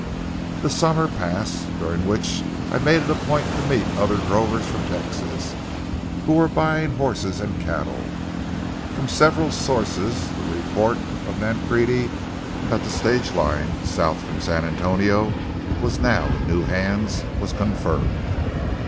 The summer passed, during which I made it a point to meet other drovers from Texas who were buying horses and cattle. From several sources the report of Nancrede, that the stage line south from San Antonio was now in new hands, was confirmed.